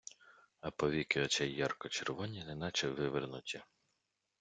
А повіки очей ярко-червоні, неначе вивернуті.